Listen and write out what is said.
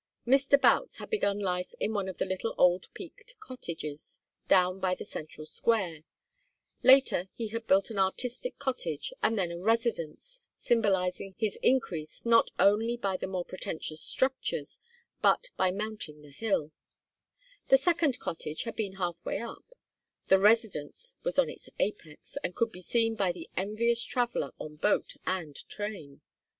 Mr. Boutts had begun life in one of the little old peaked cottages down by the central square; later he had built an "artistic" cottage, and then a "residence"; symbolizing his increase not only by the more pretentious structures but by mounting the hill; the second cottage had been half way up, the residence was on its apex, and could be seen by the envious traveller on boat and train.